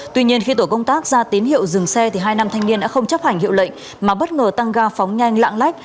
tuy nhiên khi tổ công tác ra tín hiệu dừng xe hai nam thanh niên đã không chấp hành hiệu lệnh mà bất ngờ tăng ga phóng nhanh lạng lách